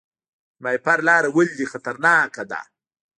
د ماهیپر لاره ولې خطرناکه ده؟